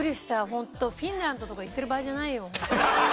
ホントフィンランドとか行ってる場合じゃないよ。